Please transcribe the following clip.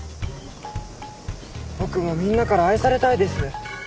僕もみんなから愛されたいです。